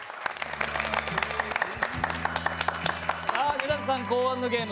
根建さん考案のゲーム